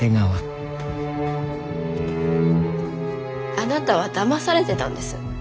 あなたはだまされてたんです。